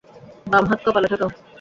বাম হাত কপালে ঠেকাও।